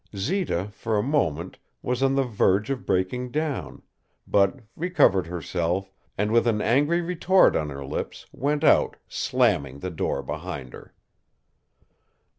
Zita, for a moment, was on the verge of breaking down, but recovered herself and, with an angry retort on her lips, went out, slamming the door behind her.